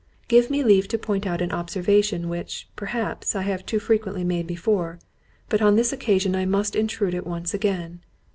Give me leave to point out an observation which, perhaps, I have too frequently made before, but upon this occasion I must intrude it once again.